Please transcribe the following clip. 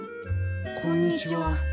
こんにちは。